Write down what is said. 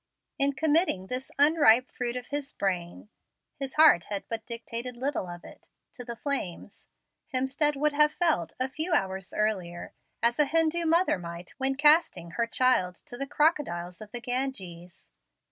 In committing this unripe fruit of his brain his heart had dictated but little of it to the flames, Hemstead would have felt, a few hours earlier, as a Hindu mother might when casting her child to the crocodiles of the Ganges.